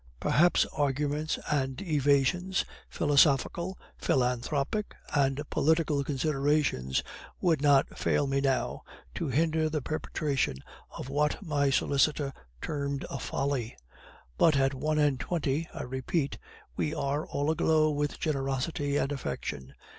Perhaps arguments and evasions, philosophical, philanthropic, and political considerations would not fail me now, to hinder the perpetration of what my solicitor termed a 'folly'; but at one and twenty, I repeat, we are all aglow with generosity and affection.